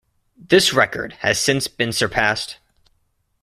This record has since been surpassed.